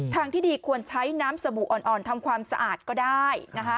ทางที่ดีควรใช้น้ำสบู่อ่อนทำความสะอาดก็ได้